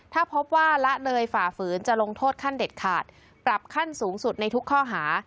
ถ้าพบว่าละเลยฝ่าฝืนจะลงโทษขั้นเด็ดขาดปรับขั้นสูงสุดในทุกข้อหา